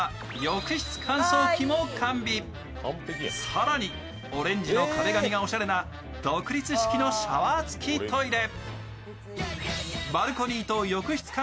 更に、オレンジの壁紙がおしゃれな独立式のシャワートイレ。